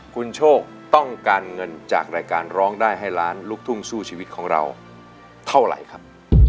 คุณโชคต้องการเงินจากรายการร้องได้ให้ล้านลูกทุ่งสู้ชีวิตของเราเท่าไหร่ครับ